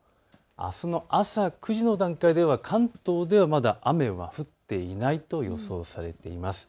あすの朝９時の段階では関東ではまだ雨は降っていないと予想されています。